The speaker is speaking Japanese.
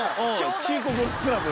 「中古ゴルフクラブ」。